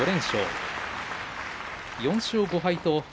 ４勝５敗。